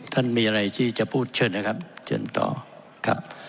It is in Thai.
ท่านมีอะไรที่จะพูดเชิญนะครับเชิญต่อครับ